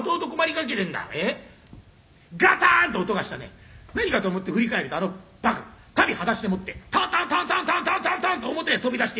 「ガタン！と音がしてね何かと思って振り返るとあの馬鹿足袋裸足でもってトントントントントントンって表へ飛び出して行くんだ」